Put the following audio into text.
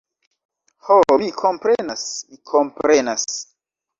Ho, mi komprenas, mi komprenas.